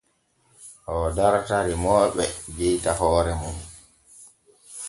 Oo darta remooɓe jewta hoore mum.